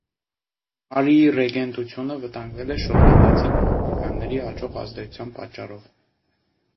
Մարիի ռեգենտությունը վտանգվել է շոտլանդացի բողոքականների աճող ազդեցության պատճառով։